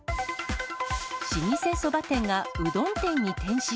老舗そば店がうどん店に転身。